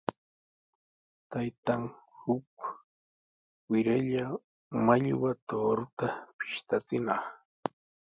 Taytan uk wiralla mallwa tuuruta pishtachinaq.